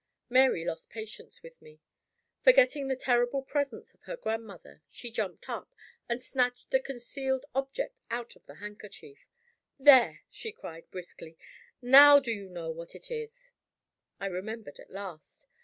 Mary lost patience with me. Forgetting the terrible presence of her grandmother, she jumped up, and snatched the concealed object out of her handkerchief. "There!" she cried, briskly, "now do you know what it is?" I remembered at last.